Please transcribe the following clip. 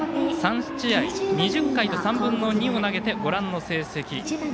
３試合２０回と３分の２を投げてご覧の成績。